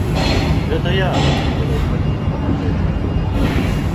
Гэта я, каб ты ведаў, хадзіў туды пад рэчку.